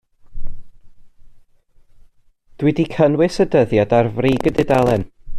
Rydw i wedi cynnwys y dyddiad ar frig y dudalen.